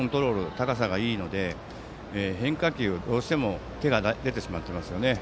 高さがいいので変化球、どうしても手が出てしまってますよね。